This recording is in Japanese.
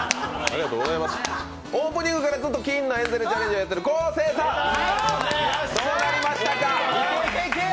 オープニングからずっと金のエンゼルチャレンジをやっている昴生さん、どうなりましたか？